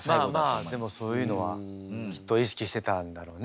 まあまあでもそういうのはきっと意識してたんだろうね